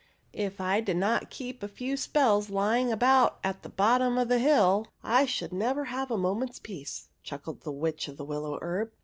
" If I did not keep a few spells lying about at the bottom of the hill, I should never have a moment s peace," chuckled the Witch of the Willow Herb.